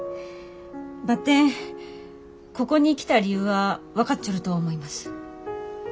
ばってんここに来た理由は分かっちょると思います。